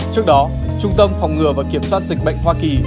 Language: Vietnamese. trước đó trung tâm phòng ngừa và kiểm soát dịch bệnh hoa kỳ